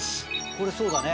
これ、そうだね。